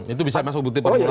itu bisa masuk bukti permulaan ya